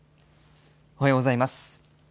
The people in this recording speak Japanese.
おはようございます。